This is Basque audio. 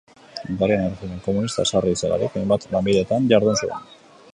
Hungarian erregimen komunista ezarri zelarik, hainbat lanbidetan jardun zuen.